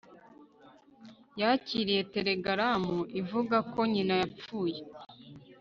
Yakiriye telegaramu ivuga ko nyina yapfuye